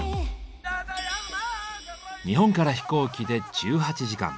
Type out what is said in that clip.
日本から飛行機で１８時間。